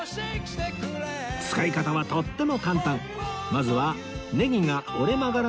使い方はとっても簡単